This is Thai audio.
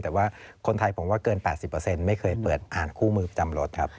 แต่ว่าคนไทยผมว่าเกิน๘๐ไม่เคยเปิดอ่านคู่มือประจำรถครับ